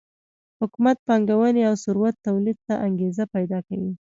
حکومت پانګونې او ثروت تولید ته انګېزه پیدا کوي.